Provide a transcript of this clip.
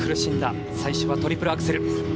最初はトリプルアクセル。